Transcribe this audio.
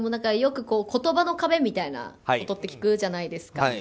よく言葉の壁みたいなことって聞くじゃないですか。